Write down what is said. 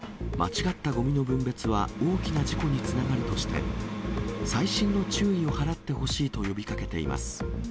市の担当者は、間違ったごみの分別は大きな事故につながるとして、細心の注意を払ってほしいと呼びかけています。